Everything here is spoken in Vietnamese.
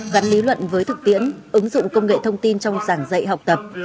gắn lý luận với thực tiễn ứng dụng công nghệ thông tin trong giảng dạy học tập